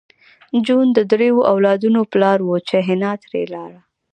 جون د دریو اولادونو پلار و چې حنا ترې لاړه